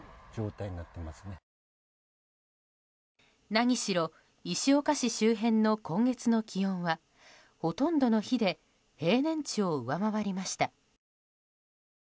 なにしろ石岡市周辺の今月の気温はほとんどの日で平年値を上回りました。